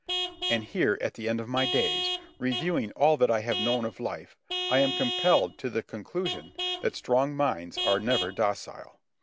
And here at the end of my days, reviewing all that I have known of life, I am compelled to the conclusion that strong minds are never docile.